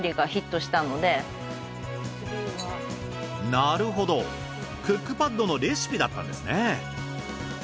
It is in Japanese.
なるほどクックパッドのレシピだったんですね。